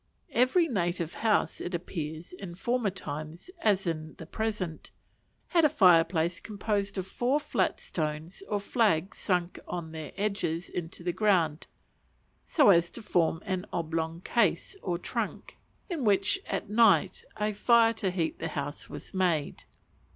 Every native house, it appears, in former times, as in the present, had a fire place composed of four flat stones or flags sunk on their edges into the ground, so as to form an oblong case or trunk, in which at night a fire to heat the house was made.